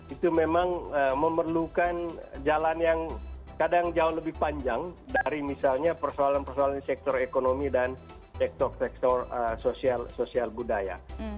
itu memang memerlukan jalan yang kadang jauh lebih panjang dari misalnya persoalan persoalan di sektor ekonomi dan sektor sektor sosial budaya